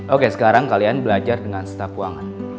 oke sekarang kalian belajar dengan staf keuangan